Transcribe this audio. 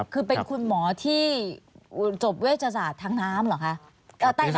คือเป็นคุณหมอที่จบเวชศาสตร์ทางน้ำเหรอคะ